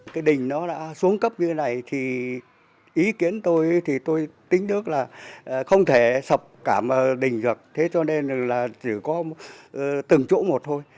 cái đỉnh nó đã xuống cấp như thế này thì ý kiến tôi thì tôi tính được là không thể sập cả đỉnh vật thế cho nên là chỉ có từng chỗ một thôi